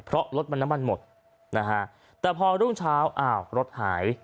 เพราะรถมันน้ำมันหมดนะฮะแต่พอรุ่งเช้าอ้าวรถหาย